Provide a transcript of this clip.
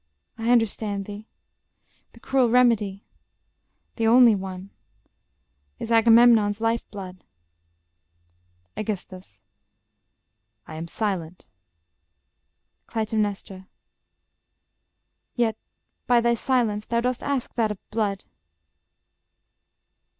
I understand thee: The cruel remedy ... the only one ... Is Agamemnon's life blood. Aegis. I am silent ... Cly. Yet, by thy silence, thou dost ask that blood.